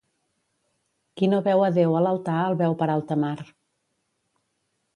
Qui no veu a Déu a l'altar el veu per alta mar.